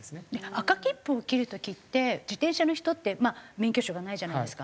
赤切符を切る時って自転車の人って免許証がないじゃないですか。